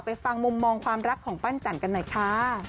ฟังมุมมองความรักของปั้นจันกันหน่อยค่ะ